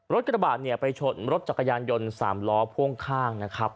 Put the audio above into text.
กระบาดเนี่ยไปชนรถจักรยานยนต์๓ล้อพ่วงข้างนะครับ